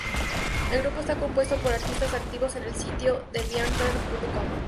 El grupo está compuesto por artistas activos en el sitio deviantart.com.